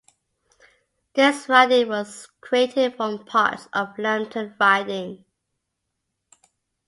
This riding was created from parts of Lambton riding.